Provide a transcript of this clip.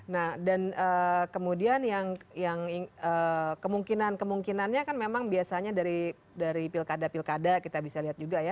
nah dan kemudian yang kemungkinan kemungkinannya kan memang biasanya dari pilkada pilkada kita bisa lihat juga ya